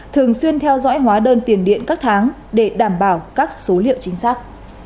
thường xuyên theo dõi hóa đơn tiền điện các tháng để đảm bảo các số liệu chính xác